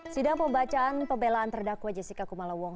sidang pembacaan pembelaan terdakwa jessica kumalawong